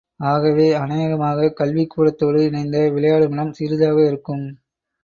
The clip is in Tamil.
ஆகவே அநேகமாக, கல்விக்கூடத்தோடு இணைந்த விளையாடுமிடம் சிறிதாக இருக்கும்.